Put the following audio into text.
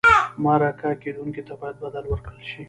مرکه کېدونکي ته باید بدل ورکړل شي.